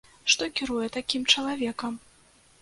Што кіруе такім чалавекам?